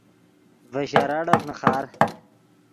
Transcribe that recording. ڤے شراڑف نیخار